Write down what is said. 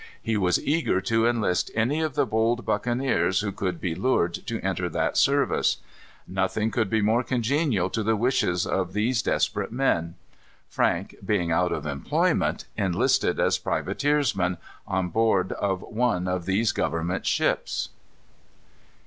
He was eager to enlist any of the bold buccaneers who could be lured to enter that service. Nothing could be more congenial to the wishes of these desperate men. Frank, being out of employment, enlisted as privateersman, on board of one of these Government ships.